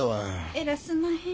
えらいすんまへん。